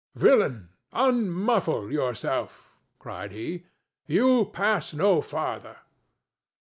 "Villain, unmuffle yourself!" cried he. "You pass no farther."